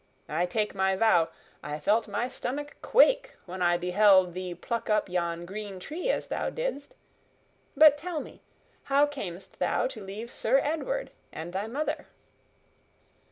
I take my vow, I felt my stomach quake when I beheld thee pluck up yon green tree as thou didst. But tell me, how camest thou to leave Sir Edward and thy mother?"